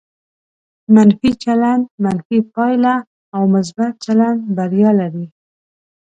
منفي چلند منفي پایله او مثبت چلند بریا لري.